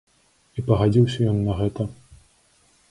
І пагадзіўся ён на гэта.